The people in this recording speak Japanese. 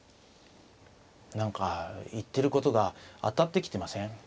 何か言ってることが当たってきてません？